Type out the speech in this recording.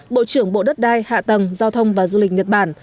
bộ trưởng bộ đất đai hạ tầng giao thông và du lịch nhật bản